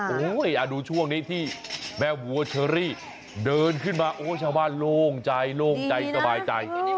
โอ้โหดูช่วงนี้ที่แม่วัวเชอรี่เดินขึ้นมาโอ้ชาวบ้านโล่งใจโล่งใจสบายใจ